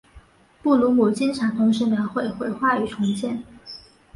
布鲁姆经常同时描绘毁坏与重建。